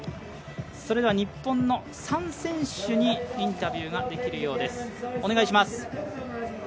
それでは日本の３選手にインタビューができるようです。